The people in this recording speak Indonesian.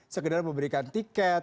sekedar memberikan tiket